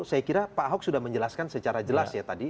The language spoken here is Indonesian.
saya kira pak ahok sudah menjelaskan secara jelas ya tadi